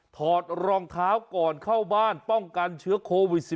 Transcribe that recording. ถอดรองเท้าก่อนเข้าบ้านป้องกันเชื้อโควิด๑๙